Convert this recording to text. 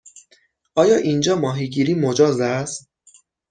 آیا اینجا ماهیگیری مجاز است؟